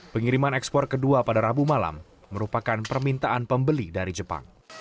pengiriman ekspor kedua pada rabu malam merupakan permintaan pembeli dari jepang